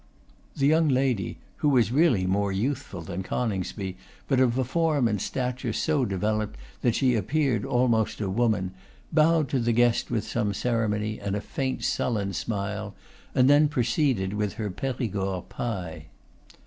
The young lady, who was really more youthful than Coningsby, but of a form and stature so developed that she appeared almost a woman, bowed to the guest with some ceremony, and a faint sullen smile, and then proceeded with her Perigord pie.